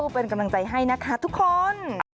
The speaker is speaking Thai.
เป็นกำลังใจให้นะคะทุกคน